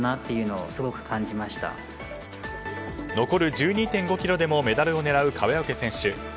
残る１２．５ｋｍでもメダルを狙う川除選手。